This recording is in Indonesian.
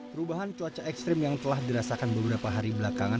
perubahan cuaca ekstrim yang telah dirasakan beberapa hari belakangan